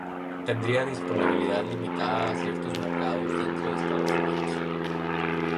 Tendría disponibilidad limitada a ciertos mercados dentro de Estados Unidos.